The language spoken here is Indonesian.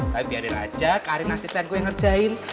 tapi biarin aja karim nasi selengkuh yang ngerjain